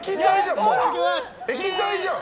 液体じゃん。